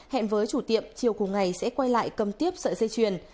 hẹn với chủ tiệm chiều cùng ngày sẽ quay lại cầm tiếp sợi dây chuyền